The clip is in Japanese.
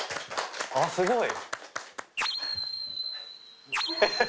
あすごい！